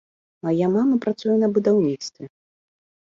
Мая мама працуе на будаўніцтве.